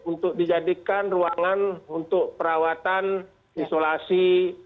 untuk dijadikan ruangan untuk perawatan isolasi